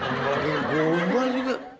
ada lagi yang goba juga